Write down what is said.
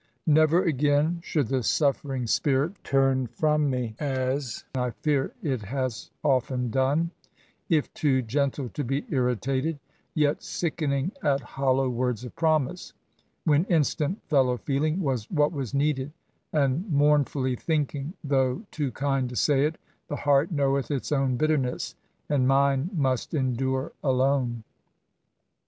N«ver again should the suffering spirit turn from me, as I fear it has often done — ^if too gentle to be irritated — ^yet sickening at hollow words of promise, when instant fellow feeling was what Was needed; and mournfully tanking, though too kind to say it, ^'^ the heart knoweth its own bitterness,' and mine must endure alone."